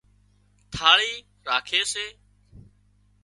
ٿاۯي راکي سي